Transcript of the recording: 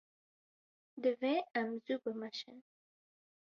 Divê em zû bimeşin.